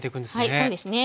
はいそうですね。